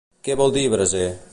Què vol dir braser?